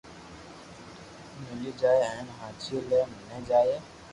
ملي جائي ھين ھاچي لي ملي جائي